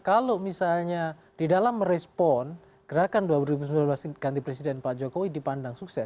kalau misalnya di dalam merespon gerakan dua ribu sembilan belas ganti presiden pak jokowi dipandang sukses